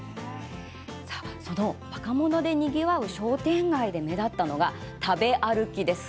その若者でにぎわう商店街で目立ったのが食べ歩きです。